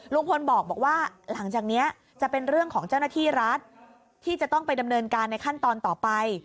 ลุงพลบอกว่าหลังจากนี้จะเป็นเรื่องของเจ้าหน้าที่รัฐที่จะต้องไปดำเนินการในขั้นตอนต่อไป